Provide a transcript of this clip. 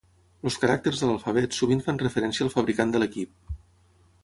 Els caràcters de l'alfabet sovint fan referència al fabricant de l'equip.